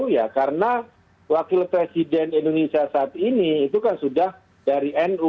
ya karena wakil presiden indonesia saat ini itu kan sudah dari nu